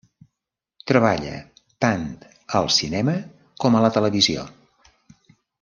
Treballa tant al cinema com a la televisió.